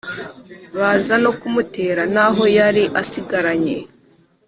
baza no kumutera n’aho yari asigaranye.